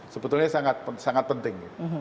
sebetulnya sangat penting